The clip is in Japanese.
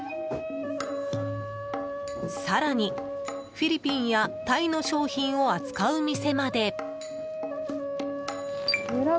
更に、フィリピンやタイの商品を扱う店まで。